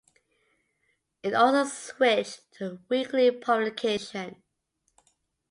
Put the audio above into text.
It also switched to weekly publication.